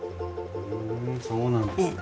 ふんそうなんですね。